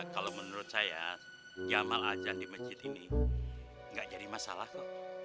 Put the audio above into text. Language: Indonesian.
kalau menurut saya jamal ajan di masjid ini nggak jadi masalah kok